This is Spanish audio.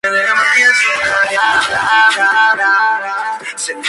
Nancy Ganz; y el periodista y director de la radio, Mario Giorgi.